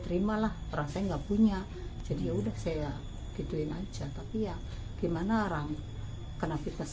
terimalah orang saya enggak punya jadi ya udah saya gituin aja tapi ya gimana orang kena bebas